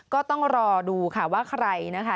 ก็ต้องรอดูค่ะว่าใครนะคะ